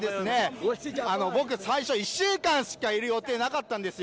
僕、最初１週間しかいる予定なかったんですよ。